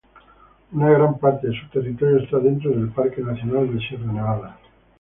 Una gran parte de su territorio está dentro del Parque nacional de Sierra Nevada.